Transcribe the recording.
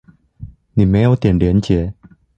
你沒有點連結